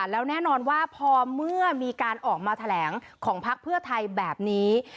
แล้วแน่นอนว่าพอเมื่อมีการออกมาแถลงของพักเพื่อไทยแบบนี้